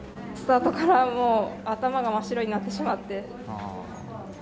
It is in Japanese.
スタートから頭が真っ白になってしまって。